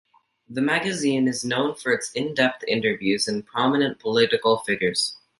The magazine is known for its in-depth interviews with prominent political figures.